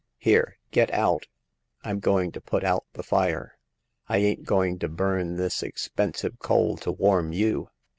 Here, get out ! Tm going to put out the fire. I ain't going to burn this expensive coal to warm you.